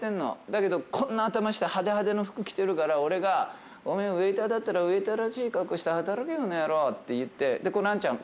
だけどこんな頭して派手派手の服着てるから俺が「お前ウエーターだったらウエーターらしい格好して働けこの野郎」って言ってこの兄ちゃん